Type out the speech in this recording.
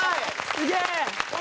すげえ！